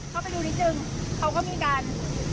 เข้าไปดูนิดนึงเขาก็มีการ